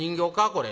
これ。